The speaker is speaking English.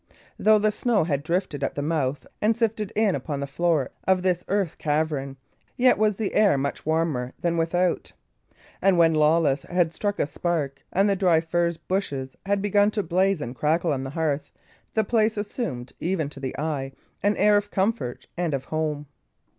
Though the snow had drifted at the mouth and sifted in upon the floor of this earth cavern, yet was the air much warmer than without; and when Lawless had struck a spark, and the dry furze bushes had begun to blaze and crackle on the hearth, the place assumed, even to the eye, an air of comfort and of home.